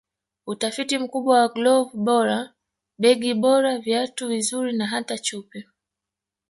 Utafiti mkubwa wa glovu bora begi bora viatu vizuri na hata chupi